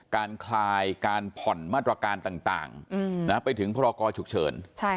การคลายการผ่อนมาตรการต่างไปถึงพคฉุกเชิญ